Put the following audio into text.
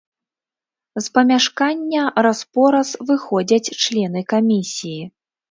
З памяшкання раз-пораз выходзяць члены камісіі.